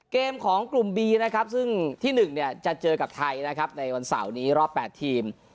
เกมของกลุ่มบีนะครับซึ่งที่๑เนี่ยจะเจอกับไทยนะครับในวันเสาร์นี้รอบ๘ทีม